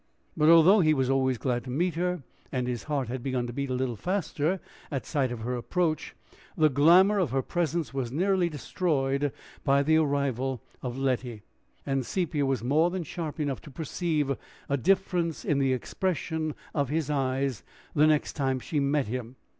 But although he was always glad to meet her, and his heart had begun to beat a little faster at sight of her approach, the glamour of her presence was nearly destroyed by the arrival of Letty; and Sepia was more than sharp enough to perceive a difference in the expression of his eyes the next time she met him.